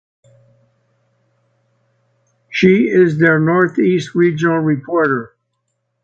She is their North East regional reporter.